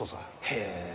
へえ。